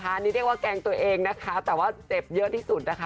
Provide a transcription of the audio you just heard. อันนี้เรียกว่าแกล้งตัวเองนะคะแต่ว่าเจ็บเยอะที่สุดนะคะ